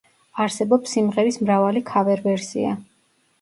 არსებობს სიმღერის მრავალი ქავერ-ვერსია.